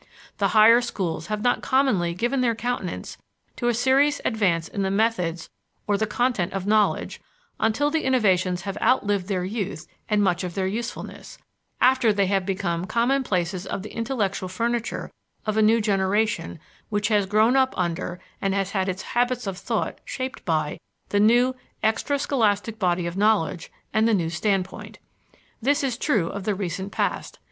The higher schools have not commonly given their countenance to a serious advance in the methods or the content of knowledge until the innovations have outlived their youth and much of their usefulness after they have become commonplaces of the intellectual furniture of a new generation which has grown up under, and has had its habits of thought shaped by, the new, extra scholastic body of knowledge and the new standpoint. This is true of the recent past.